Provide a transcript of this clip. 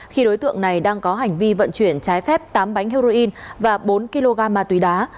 khi đối tượng này đang có hành vi vận chuyển trái phép tám bánh heroin và bốn kg ma túy đá